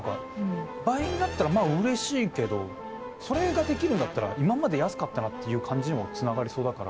倍になったらまあうれしいけどそれができるんだったら今まで安かったなっていう感じにもつながりそうだから。